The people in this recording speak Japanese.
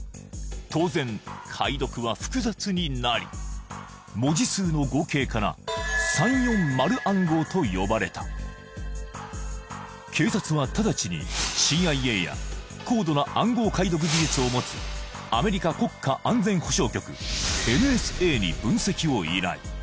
当然解読は複雑になり文字数の合計から３４０暗号と呼ばれた警察はただちにＣＩＡや高度な暗号解読技術を持つＮＳＡに分析を依頼